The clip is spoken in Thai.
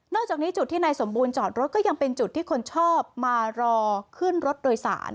จากนี้จุดที่นายสมบูรณ์จอดรถก็ยังเป็นจุดที่คนชอบมารอขึ้นรถโดยสาร